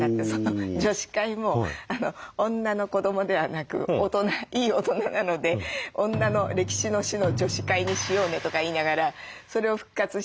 女子会も「女」の「子」どもではなくいい大人なので「女」の歴史の「史」の「女史会」にしようねとか言いながらそれを復活したり。